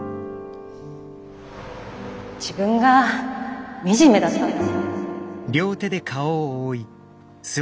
自分が惨めだったの。